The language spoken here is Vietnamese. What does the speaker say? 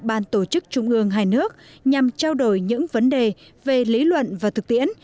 ban tổ chức trung ương hai nước nhằm trao đổi những vấn đề về lý luận và thực tiễn